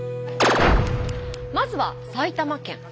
まずは埼玉県。